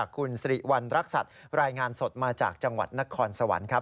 คุณสิริวัณรักษัตริย์รายงานสดมาจากจังหวัดนครสวรรค์ครับ